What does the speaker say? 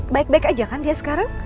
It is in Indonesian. baik baik aja kan dia sekarang